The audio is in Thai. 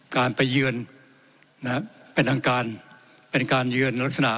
การไปเยือนนะฮะเป็นทางการเป็นการเยือนลักษณะ